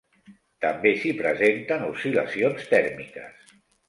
També s'hi presenten oscil·lacions tèrmiques.